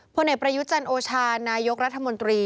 พระเนตรประยุจันทร์โอชานายกรัฐมนตรี